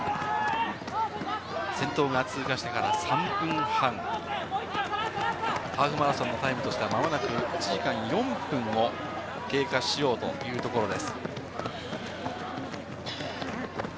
先頭が通過してから３分半、ハーフマラソンのタイムとしては、まもなく１時間４分を経過しようというところです。